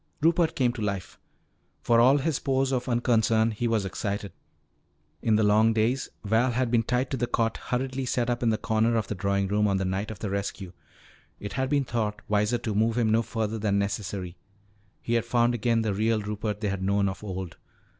Rupert came to life. For all his pose of unconcern, he was excited. In the long days Val had been tied to the cot hurriedly set up in a corner of the drawing room on the night of the rescue it had been thought wiser to move him no farther than necessary he had found again the real Rupert they had known of old.